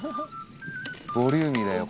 ボリューミーだよこれ。